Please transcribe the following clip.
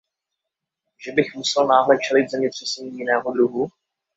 Že bych musel náhle čelit zemětřesení jiného druhu?